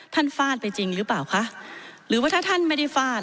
ฟาดไปจริงหรือเปล่าคะหรือว่าถ้าท่านไม่ได้ฟาด